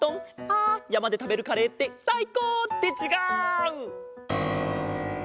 あやまでたべるカレーってさいこう！ってちがう！